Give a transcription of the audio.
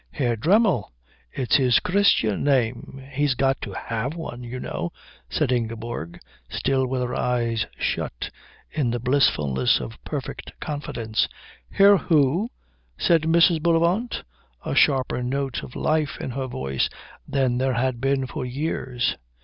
"Herr Dremmel. It's his Christian name. He's got to have one, you know," said Ingeborg, still with her eyes shut in the blissfulness of perfect confidence. "Herr who?" said Mrs. Bullivant, a sharper note of life in her voice than there had been for years.